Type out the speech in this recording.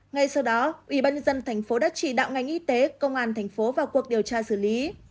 ngay sau đó ủy ban nhân dân tp long khánh đã chỉ đạo ngành y tế công an tp long khánh vào cuộc điều tra xử lý